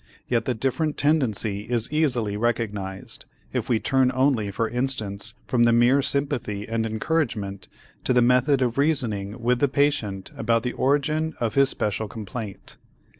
Yet the different tendency is easily recognized, if we turn only, for instance, from the mere sympathy and encouragement to the method of reasoning with the patient about the origin of his special complaint.